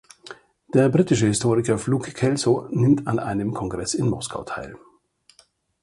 Der britische Historiker Fluke Kelso nimmt an einem Kongress in Moskau teil.